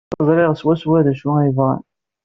Ẓriɣ swaswa d acu ay bɣan.